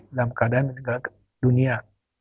dalam keadaan dunia